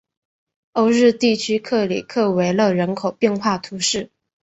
欧日地区克里克维勒人口变化图示